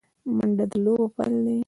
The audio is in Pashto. منډه د لوبو پیل دی